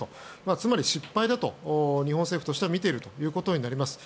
つまり、失敗だと日本政府はみているということになります。